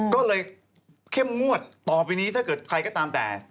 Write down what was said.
ก็เลยเข้มงวดต่อไปนี้ถ้าเกิดใครก็ตามแต่